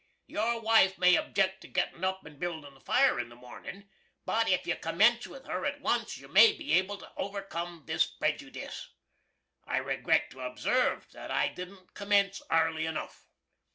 Your wife may objeck to gittin' up and bildin' the fire in the mornin', but if you commence with her at once you may be able to overkum this prejoodiss. I regret to obsarve that I didn't commence arly enuff.